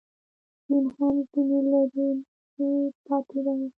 دین هم ځنې لرې نه شي پاتېدای.